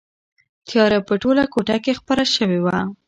تیاره په ټوله کوټه کې خپره شوې وه.